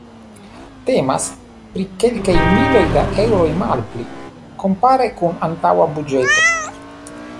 Temas pri kelkaj miloj da eŭroj malpli, kompare kun la antaŭa buĝeto.